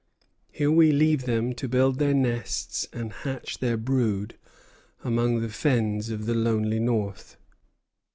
Here we leave them, to build their nests and hatch their brood among the fens of the lonely North.